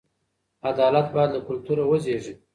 عدالت باید له کلتوره وزېږي.